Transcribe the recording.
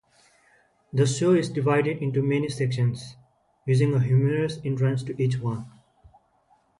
The show is divided into many sections, using a humorous entrance to each one.